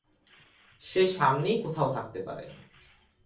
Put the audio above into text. সে সামনেই কোথাও থাকতে পারে।